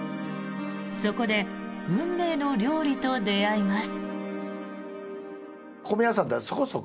そこで運命の料理と出会います。